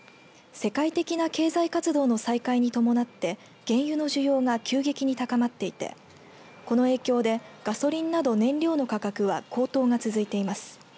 世界的な経済活動の再開に伴って原油の需要が急激に高まっていてこの影響でガソリンなど燃料の価格は高騰が続いてます。